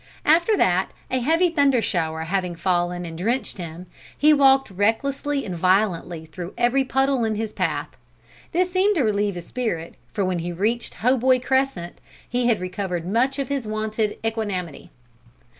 After that, a heavy thunder shower having fallen and drenched him, he walked recklessly and violently through every puddle in his path. This seemed to relieve his spirit, for when he reached Hoboy Crescent he had recovered much of his wonted equanimity.